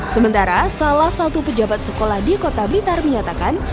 sementara salah satu pejabat sekolah di kota blitar menyatakan